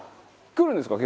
来るんですか？